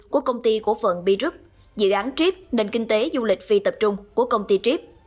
của công ty cổ phận b group dự án trip nền kinh tế du lịch phi tập trung của công ty trip